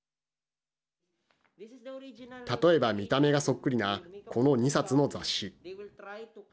例えば見た目がそっくりなこの２冊の雑誌。